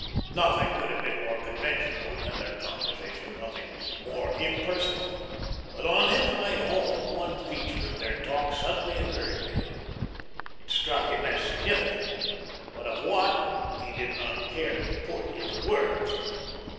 Nothing could have been more conventional than their conversation, nothing more impersonal. But on his way home one feature of their talk suddenly occurred to him. It struck him as significant; but of what he did not care to put into words.